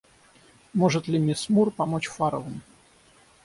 Может ли миссис Мур помочь Фаррелам?